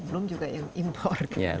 belum juga yang import